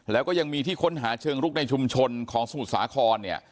แล้วก็ยังมีที่ค้นหาเชิงลุกในชุมชนของสมุทรสาครเนี่ย